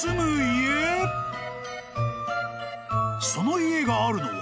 ［その家があるのは］